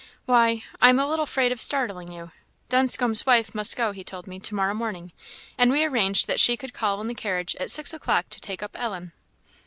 "Why, I'm a little afraid of startling you Dunscombe's wife must go, he told me, to morrow morning; and we arranged that she could call in the carriage at six o'clock to take up Ellen."